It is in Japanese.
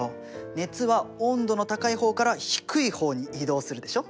熱は温度の高い方から低い方に移動するでしょ？